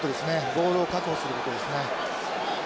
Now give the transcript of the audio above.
ボールを確保することですね。